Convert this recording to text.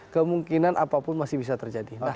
kemungkinan apapun masih bisa terjadi